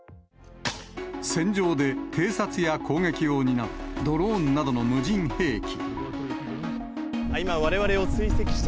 戦場で偵察や攻撃を担うドローンなどの無人兵器。